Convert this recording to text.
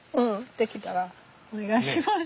できたらお願いします。